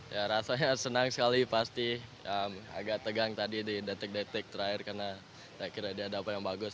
ya rasanya senang sekali pasti agak tegang tadi di detik detik terakhir karena saya kira dia ada apa yang bagus